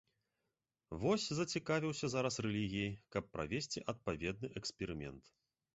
Вось зацікавіўся зараз рэлігіяй, каб правесці адпаведны эксперымент.